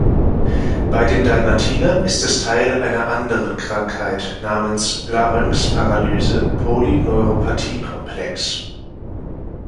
Bei den Dalmatinern ist es Teil einer anderen Krankheit namens Larynxparalyse-Polyneuropathie-Komplex.